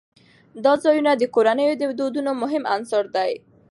دا ځایونه د کورنیو د دودونو مهم عنصر دی.